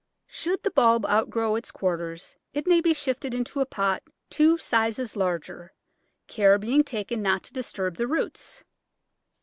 Should the bulb outgrow its quarters it may be shifted into a pot two sizes larger, care being taken not to disturb the roots.